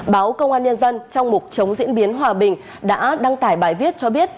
báo công an nhân dân trong mục chống diễn biến hòa bình đã đăng tải bài viết cho biết